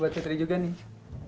buat fitri juga nih